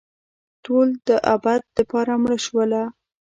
ټول دابد دپاره مړه شوله